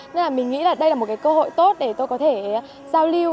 nên là mình nghĩ là đây là một cái cơ hội tốt để tôi có thể giao lưu